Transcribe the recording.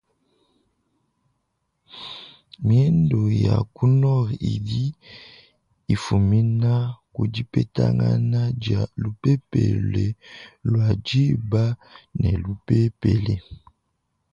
Miendu ya ku nord idi ifumina ku dipetangana dia lupepele lua dîba ne lupepele.